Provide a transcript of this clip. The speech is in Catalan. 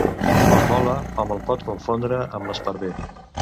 Quan vola hom el pot confondre amb l'esparver.